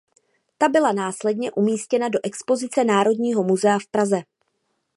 Ta byla následně umístěna do expozice Národního muzea v Praze.